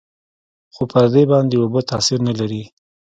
خو پر دې باندې اوبه تاثير نه لري.